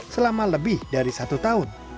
selama lebih dari satu tahun